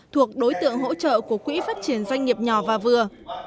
thuộc đối tượng hỗ trợ của quỹ phát triển doanh nghiệp nhỏ và vừa